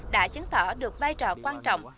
đã chứng tỏ được vai trò quan trọng